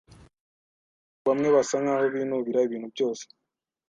Abantu bamwe basa nkaho binubira ibintu byose.